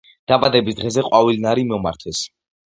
დაბადების დღეზე ყვავილნარი მომართვეს.